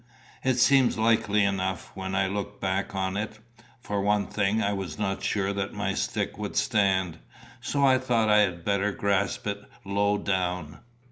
"It seems likely enough, when I look back on it. For one thing, I was not sure that my stick would stand, so I thought I had better grasp it low down."